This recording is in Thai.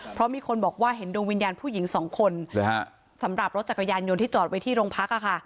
เพราะมีคนบอกว่าเห็นดวงวิญญาณผู้หญิงสองคนสำหรับรถจักรยานยนต์ที่จอดไว้ที่โรงพัก